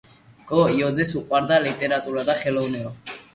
გო-იოძეის უყვარდა ლიტერატურა და ხელოვნება.